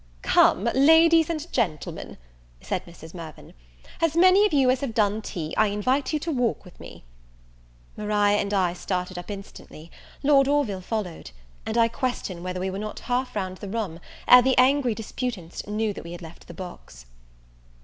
"Come, ladies and gentlemen," said Mrs. Mirvan, "as many of you as have done tea, I invite to walk with me." Maria and I started up instantly; Lord Orville followed; and I question whether we were not half round the room ere the angry disputants knew that we had left the box.